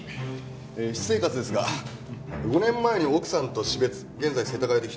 私生活ですが５年前に奥さんと死別現在世田谷で一人暮らし。